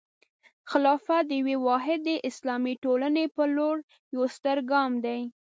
خلافت د یوې واحدې اسلامي ټولنې په لور یوه ستره ګام دی.